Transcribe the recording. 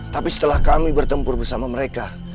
tapi setelah kami bertempur bersama mereka